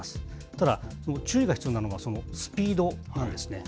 ただ、注意が必要なのは、そのスピードなんですね。